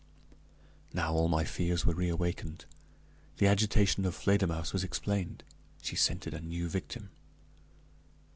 Now, all my fears were reawakened; the agitation of Fledermausse was explained she scented a new victim.